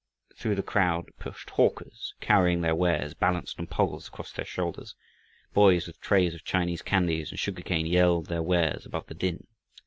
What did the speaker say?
Through the crowd pushed hawkers, carrying their wares balanced on poles across their shoulders. Boys with trays of Chinese candies and sugar cane yelled their wares above the din.